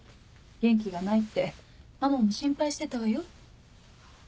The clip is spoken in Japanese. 元気がないってママも心配してたわよ。